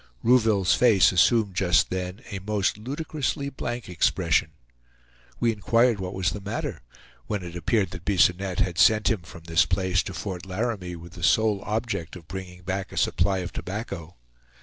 Rouville's face assumed just then a most ludicrously blank expression. We inquired what was the matter, when it appeared that Bisonette had sent him from this place to Fort Laramie with the sole object of bringing back a supply of tobacco.